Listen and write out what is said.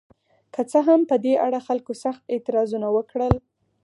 که څه هم په دې اړه خلکو سخت اعتراضونه وکړل.